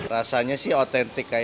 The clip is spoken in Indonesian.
rasanya sih otentik